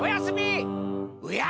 おや！